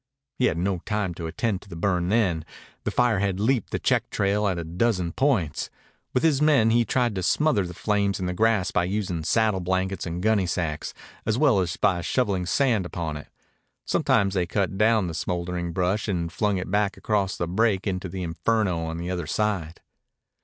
He had no time to attend to the burn then. The fire had leaped the check trail at a dozen points. With his men he tried to smother the flames in the grass by using saddle blankets and gunnysacks, as well as by shoveling sand upon it. Sometimes they cut down the smouldering brush and flung it back across the break into the inferno on the other side.